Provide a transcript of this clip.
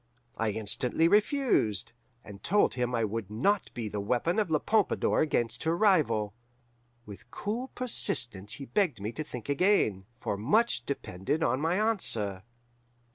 I instantly refused, and told him I would not be the weapon of La Pompadour against her rival. With cool persistence he begged me to think again, for much depended on my answer.